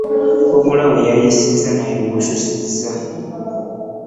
Empogola weyeyasiza naawe wosusiza .